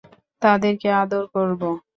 তাদেরকে আদর করবো।